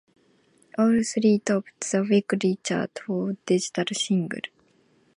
All three topped the weekly chart for "digital single".